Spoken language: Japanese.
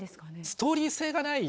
ストーリー性がない